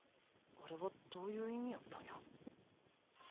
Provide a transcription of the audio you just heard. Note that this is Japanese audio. あれはどういう意味やったんや？